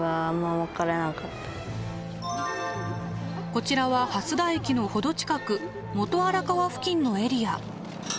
こちらは蓮田駅の程近く元荒川付近のエリア。